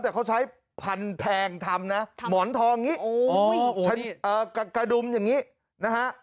แต่เขาใช้ผันแพงทำนะหมอนทองนี้โอ้โหนี่เอ่อกระดุมอย่างนี้นะฮะ